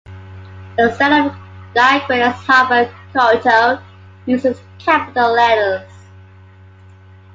Instead of diacritics, Harvard-Kyoto uses capital letters.